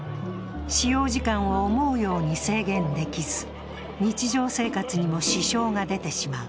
使用時間を思うように制限できず日常生活にも支障が出てしまう。